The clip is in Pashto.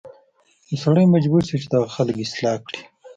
نو سړی مجبور شي چې دغه خلک اصلاح کړي